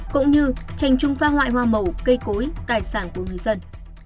cũng như tranh chung phá hoại hoa màu cây cối tài sản của người dân